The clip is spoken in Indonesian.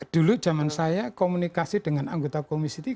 dulu zaman saya komunikasi dengan anggota komisi tiga